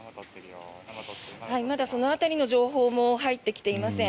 まだその辺りの情報も入ってきていません。